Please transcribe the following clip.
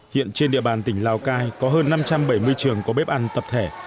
hiện trên địa bàn tỉnh lào cai có hơn năm trăm bảy mươi trường có bếp ăn tập thể